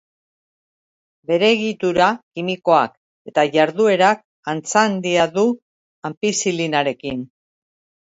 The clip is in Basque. Bere egitura kimikoak eta jarduerak antza handia du anpizilinarekin.